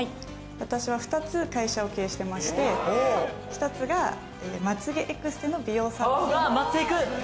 私は２つ会社を経営していまして、１つは、まつげエクステの美容サロン。